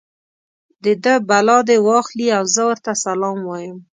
د ده بلا دې واخلي او زه ورته سلام وایم.